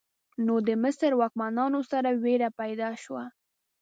نو د مصر واکمنانو سره ویره پیدا شوه.